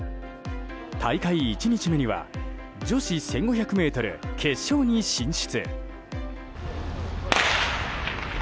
大会１日目には女子１５００ｍ決勝に進出。